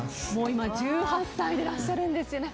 今１８歳でいらっしゃるんですよね。